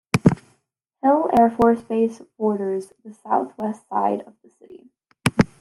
Hill Air Force Base borders the southwest side of the city.